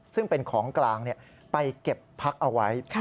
ซึ่งเป็นของกลางไปเก็บพักเอาไว้